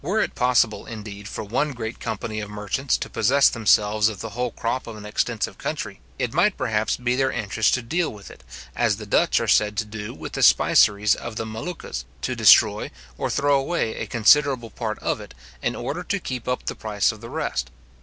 Were it possible, indeed, for one great company of merchants to possess themselves of the whole crop of an extensive country, it might perhaps be their interest to deal with it, as the Dutch are said to do with the spiceries of the Moluccas, to destroy or throw away a considerable part of it, in order to keep up the price of the rest.